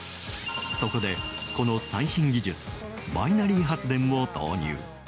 そこで、この最新技術バイナリー発電を導入。